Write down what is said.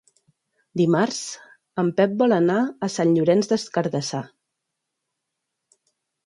Dimarts en Pep vol anar a Sant Llorenç des Cardassar.